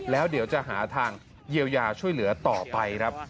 แล้วเดี๋ยวจะหาทางเยียวยาช่วยเหลือต่อไปครับ